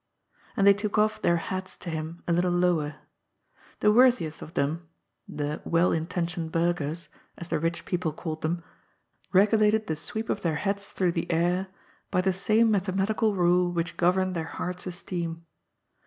And they took off their hats to him a little lower. The worthiest of them — the " well intentioned burghers," as the rich people called them^ — ^regulated the sweep of their hats through the air by the same mathematical rule which gov erned their hearts' esteem.